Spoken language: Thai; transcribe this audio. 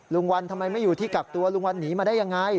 ลุงวันทำไมไม่อยู่ที่กักตัวลุงวันหนีมาได้ยังไง